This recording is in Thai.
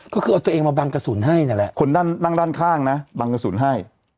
ก็คือเอาตัวเองมาบังกระสุนให้นั่นแหละคนนั่งด้านข้างนะบังกระสุนให้